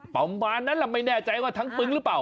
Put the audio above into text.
ประมาณนั้นแหละไม่แน่ใจว่าทั้งปึ้งหรือเปล่า